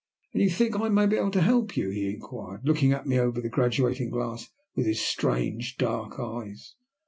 "And you think I may be able to help you?" he inquired, looking at me over the graduating glass with his strange, dark eyes.